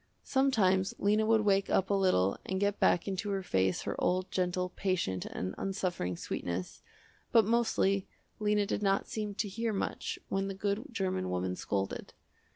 Sometimes Lena would wake up a little and get back into her face her old, gentle, patient, and unsuffering sweetness, but mostly Lena did not seem to hear much when the good german woman scolded.